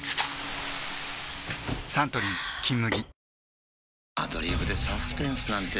サントリー「金麦」